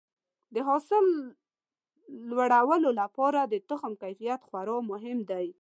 د حاصل لوړولو لپاره د تخم کیفیت خورا مهم دی.